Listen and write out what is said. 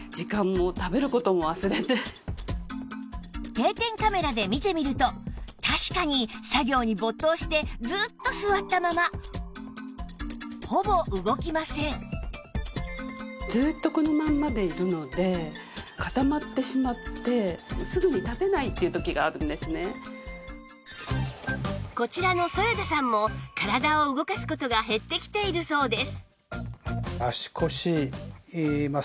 定点カメラで見てみると確かに作業に没頭してずっと座ったままこちらの添田さんも体を動かす事が減ってきているそうです